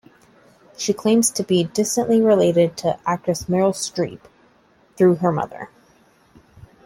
She claims to be distantly related to actress Meryl Streep, through her mother.